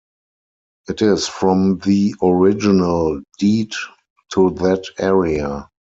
It is from the original deed to that area.